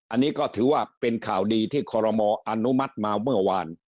อันนี้ก็ถือว่าเป็นข่าวดีที่คอรมออนุมัติมาเมื่อวาน